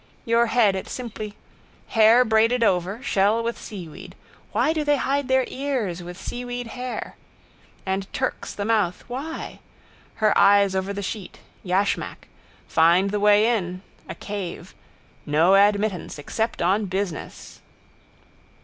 Your head it simply. Hair braided over: shell with seaweed. Why do they hide their ears with seaweed hair? And Turks the mouth, why? Her eyes over the sheet. Yashmak. Find the way in. A cave. No admittance except on business.